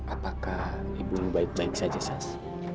apakah ibumu baik baik saja sas